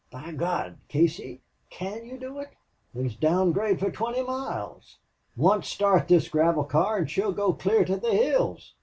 "By God! Casey can you do it? There's down grade for twenty miles. Once start this gravel car and she'll go clear to the hills.